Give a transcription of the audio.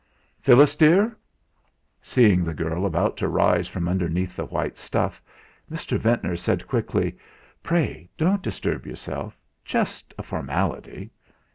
"Phyllis dear!" Seeing the girl about to rise from underneath the white stuff, Mr. Ventnor said quickly: "Pray don't disturb yourself just a formality!"